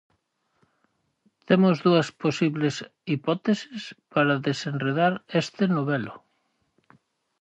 Temos dúas posibles hipóteses para desenredar este novelo.